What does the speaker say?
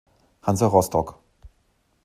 Hansa Rostock.